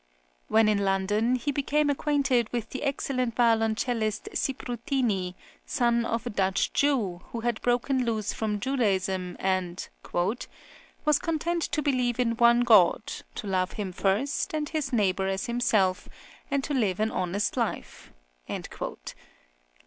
When in London, he became acquainted with the excellent violoncellist Siprutini, son of a Dutch Jew, who had broken loose from Judaism and "was content to believe in {L. MOZART'S CHARACTER.} (5) one God, to love Him first, and his neighbour as himself, and to live an honest life"; L.